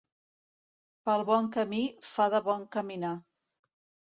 Pel bon camí fa de bon caminar.